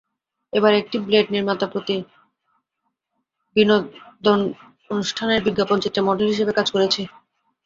এবার একটি ব্লেড নির্মাতা প্রতি বিনোদন ষ্ঠানের বিজ্ঞাপনচিত্রে মডেল হিসেবে কাজ করেছি।